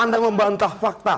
anda membantah fakta